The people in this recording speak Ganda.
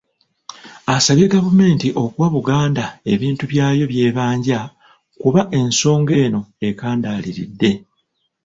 Asabye gavumenti okuwa Buganda ebintu byayo by'ebanja kuba ensonga eno ekandaaliridde.